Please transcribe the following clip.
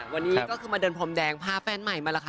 วันนี้ก็คือมาเดินพรมแดงพาแฟนใหม่มาล่ะค่ะ